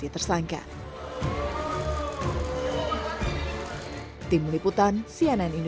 sebenarnya ini adalah suatu kesempatan yang sudah menjadi tersangka